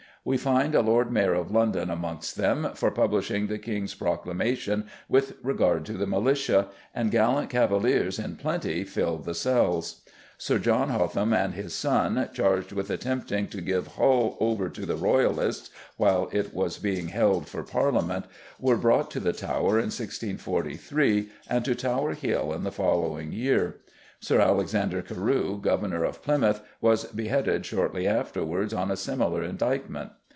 We find a Lord Mayor of London amongst them for publishing the King's proclamation with regard to the militia, and gallant Cavaliers in plenty filled the cells. Sir John Hotham and his son, charged with attempting to give Hull over to the Royalists while it was being held for Parliament, were brought to the Tower in 1643, and to Tower Hill in the following year. Sir Alexander Carew, Governor of Plymouth, was beheaded shortly afterwards on a similar indictment.